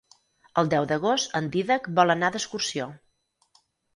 El deu d'agost en Dídac vol anar d'excursió.